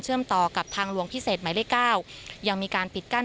ต่อกับทางหลวงพิเศษหมายเลขเก้ายังมีการปิดกั้น